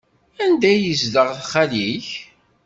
Anda ay yezdeɣ xali-k?